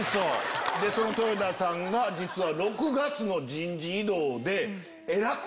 豊田さんが実は。